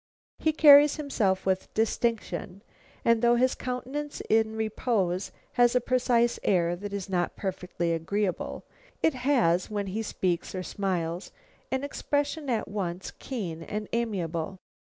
He carries himself with distinction, and though his countenance in repose has a precise air that is not perfectly agreeable, it has, when he speaks or smiles, an expression at once keen and amiable.